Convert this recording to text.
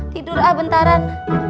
tidur ah bentaran